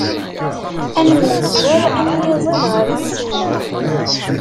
Ad nemyezwer, am yiẓid ar isni.